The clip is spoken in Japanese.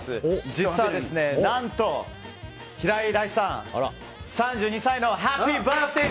実は、平井大さん３２歳のハッピーバースデー！